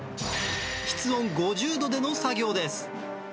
室温５０度での作業です。